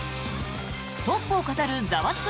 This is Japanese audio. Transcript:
トップを飾る「ザワつく！